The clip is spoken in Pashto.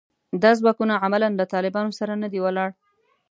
دا ځواکونه عملاً له طالبانو سره نه دي ولاړ